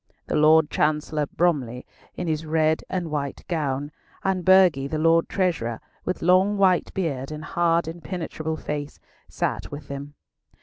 The Lord Chancellor Bromley, in his red and white gown, and Burghley, the Lord Treasurer, with long white beard and hard impenetrable face, sat with them.